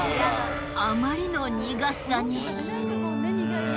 あまりの苦さに。